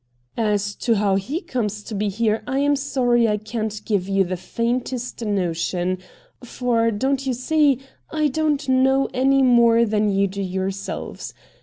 MR. RATT GUNDY 115 ' As to how he comes to be there I am sorry I can't give you the faintest notion — for, don't you see, I don't know any more than you do yourselves.